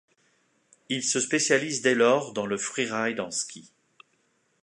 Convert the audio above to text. Il se spécialise dès lors dans le freeride en ski.